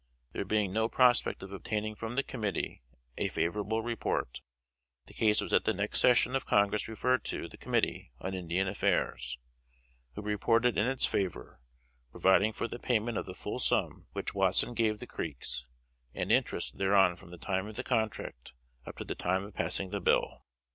There being no prospect of obtaining from the committee a favorable report, the case was at the next session of Congress referred to the committee on Indian Affairs, who reported in its favor, providing for the payment of the full sum which Watson gave the Creeks, and interest thereon from the time of the contract up to the time of passing the bill.